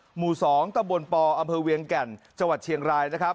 หมู่๒ตบปอพเวียงแก่นจเฉียงราย